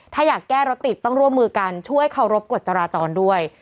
ถ้าอยากแก้รถติดต้องร่วมมือกันช่วยเคารพกฎจราจรด้วย